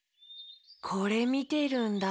これみてるんだ。